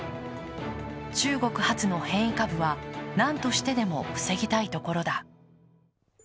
中国発の変異株はなんとしてでも防ぎたいところだ。